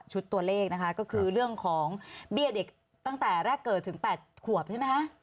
ตัวเลขนะคะก็คือเรื่องของเบี้ยเด็กตั้งแต่แรกเกิดถึง๘ขวบใช่ไหมคะ